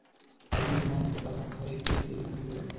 একদিন, তোমার মত কারো হাত ধরে এখান থেকে চিরদিনের মত চলে যাব।